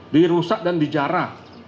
dirusak dan dijara